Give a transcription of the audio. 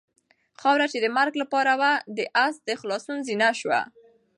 خاوره چې د مرګ لپاره وه د آس د خلاصون زینه شوه.